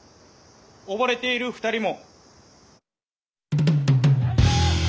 溺れている２人も。